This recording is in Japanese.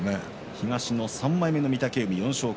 東の３枚目の御嶽海。